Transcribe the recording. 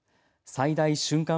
最大瞬間